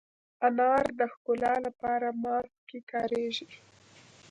انار د ښکلا لپاره ماسک کې کارېږي.